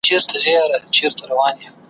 له لومړۍ ورځي په نورو پسي ګوري `